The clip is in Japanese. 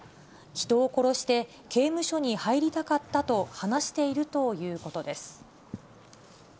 人を殺して刑務所に入りたかったと話しているということです。